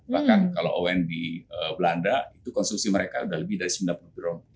bahkan kalau on di belanda itu konsumsi mereka sudah lebih dari sembilan puluh kg per kapita